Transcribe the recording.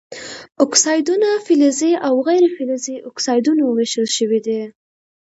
اکسایدونه فلزي او غیر فلزي اکسایدونو ویشل شوي دي.